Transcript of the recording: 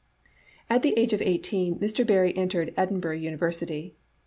At the age of eighteen, Mr. Barrie entered Edinburgh University.